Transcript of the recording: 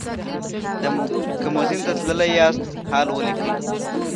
که موزیم ته تللي یاست حال ولیکئ.